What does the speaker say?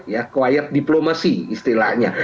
ya quiet diplomasi istilahnya